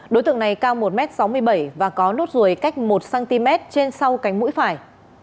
đối tượng này cao một m sáu mươi bảy và có nốt ruồi cách một cm trên sau cánh mũi phải